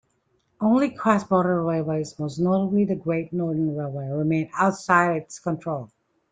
Only cross-border railways, most notably the Great Northern Railway, remained outside its control.